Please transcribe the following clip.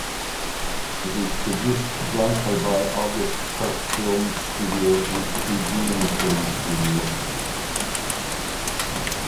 It is produced jointly by August First Film Studio and Fujian Film Studio.